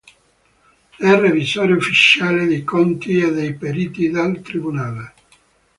È Revisore Ufficiale dei Conti e dei Periti del Tribunale.